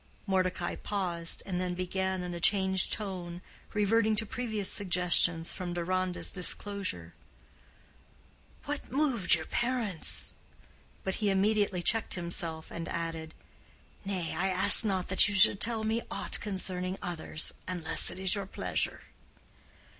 Mordecai paused, and then began in a changed tone, reverting to previous suggestions from Deronda's disclosure: "What moved your parents——?" but he immediately checked himself, and added, "Nay, I ask not that you should tell me aught concerning others, unless it is your pleasure."